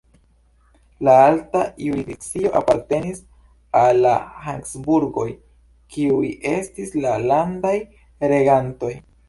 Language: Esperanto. La alta jurisdikcio apartenis al la Habsburgoj, kiuj estis la landaj regantoj.